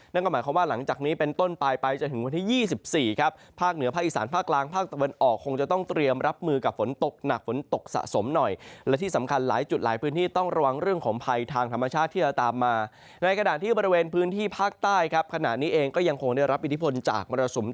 นั่นก็หมายความว่าหลังจากนี้เป็นต้นปลายไปจนถึงวันที่๒๔ครับภาคเหนือภาคอีสานภาคกลางภาคตะวันออกคงจะต้องเตรียมรับมือกับฝนตกหนักฝนตกสะสมหน่อยและที่สำคัญหลายจุดหลายพื้นที่ต้องระวังเรื่องของภัยทางธรรมชาติที่จะตามมาในขณะที่บริเวณพื้นที่ภาคใต้ครับขณะนี้เองก็ยังคงได้รับอิทธิพลจากมรสุม